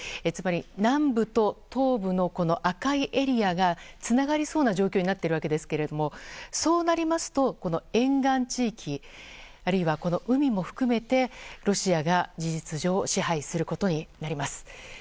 つまり、南部と東部の赤いエリアがつながりそうな状況になっているわけですがそうなりますと沿岸地域、あるいは海も含めてロシアが事実上支配することになります。